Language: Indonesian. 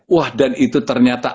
wah dan itu ternyata